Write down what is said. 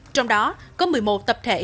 trong đó có một mươi một tập thể